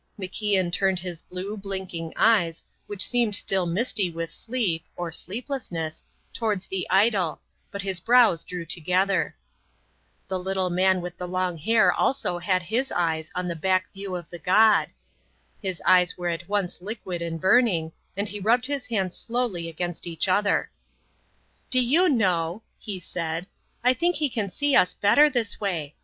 MacIan turned his blue, blinking eyes, which seemed still misty with sleep (or sleeplessness) towards the idol, but his brows drew together. The little man with the long hair also had his eyes on the back view of the god. His eyes were at once liquid and burning, and he rubbed his hands slowly against each other. "Do you know," he said, "I think he can see us better this way.